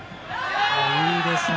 いいですね。